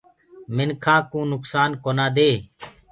منکآ ڪوُ نُڪسآن ڪونآ دي۔